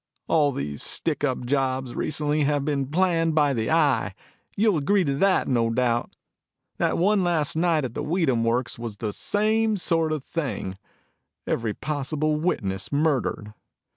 All these stick up jobs recently have been planned by the Eye. You'll agree to that, no doubt. That one last night at the Weedham works was the same sort of a thing every possible witness murdered.